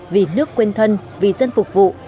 vì nước quên thân vì dân phục vụ